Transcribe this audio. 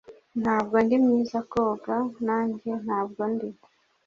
"Ntabwo ndi mwiza koga." "Nanjye ntabwo ndi."